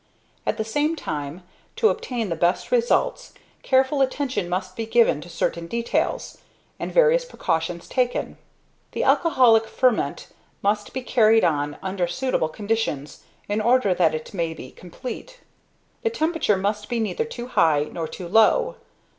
At the same time, to obtain the best results, careful attention must be given to certain details, and various precautions taken. The alcoholic ferment must be carried on under suitable conditions, in order that it may be complete. The temperature must be neither too high, nor too low.